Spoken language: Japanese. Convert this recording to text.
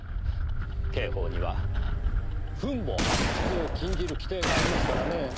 刑法には墳墓発掘を禁じる規定がありますからね。